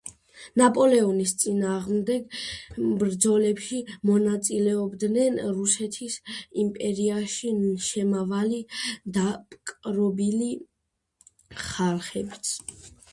ნაპოლეონის წინააღმდეგ ბრძოლებში მონაწილეობდნენ რუსეთის იმპერიაში შემავალი დაპყრობილი ხალხებიც.